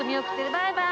バイバイ！